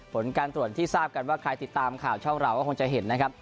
ผลการตรวจที่ทราบกันว่าใครติดตามข่าวช่องเราก็คงจะเห็นนะครับ